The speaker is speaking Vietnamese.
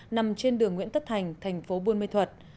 nằm trên đường nguyễn tất thành thành phố buôn mê thuật